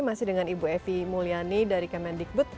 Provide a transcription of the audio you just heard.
masih dengan ibu evi mulyani dari kemendikbud